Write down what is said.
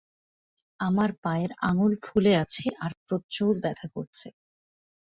আমার পায়ের আঙ্গুল ফুলে আছে আর প্রচুর ব্যথা করছে।